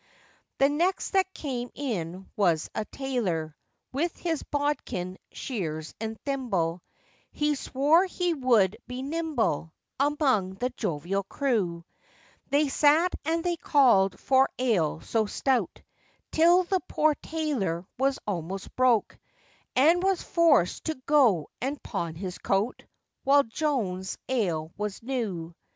The next that came in was a tailor, With his bodkin, shears, and thimble, He swore he would be nimble Among the jovial crew: They sat and they called for ale so stout, Till the poor tailor was almost broke, And was forced to go and pawn his coat, While Joan's ale was new.